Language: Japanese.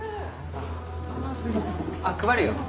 あっ配るよ。